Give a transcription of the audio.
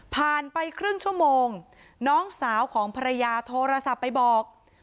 ไปครึ่งชั่วโมงน้องสาวของภรรยาโทรศัพท์ไปบอก